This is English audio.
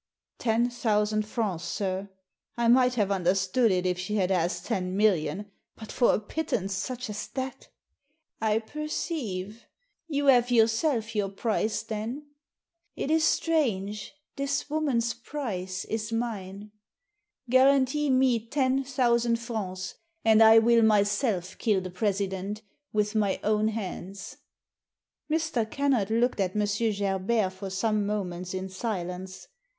"Ten thousand francs, sir. I might have under stood it if she had asked ten million, but for a pit tance such as that I "" I perceive. You have yourself your price then. Digitized by VjOOQIC i82 THE SEEN AND THE UNSEEN It is strange this woman's price is mine. Guarantee me ten thousand francs, and I will myself kill the President with my own hands." Mr. Kennard looked at M. Gerbert for some moments in silence.